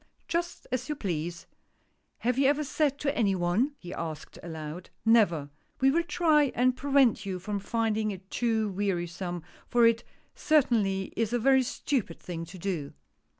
Just as you please. Have you ever sat to any one ?" he asked aloud. " Never." "We will try and prevent you from finding it too wearisome, for it certainly is a very stupid thing to do